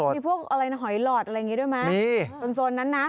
มีพวกอะไรหอยหลอดอะไรอย่างนี้ด้วยไหมโซนนั้นนะ